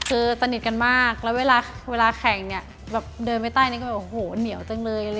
คือสนิทกันมากแล้วเวลาแข่งเดินไปใต้นึกว่าเหนียวจังเลย